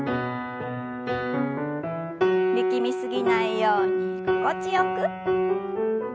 力み過ぎないように心地よく。